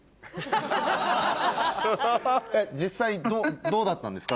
実際どうだったんですか？